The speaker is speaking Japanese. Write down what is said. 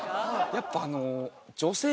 やっぱあの。